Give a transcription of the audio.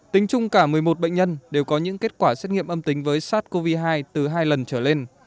tính chung cả một mươi một bệnh nhân đều có những kết quả xét nghiệm âm tính với sars cov hai từ hai lần trở lên